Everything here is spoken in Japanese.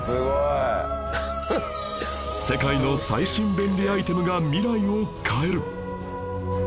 世界の最新便利アイテムが未来を変える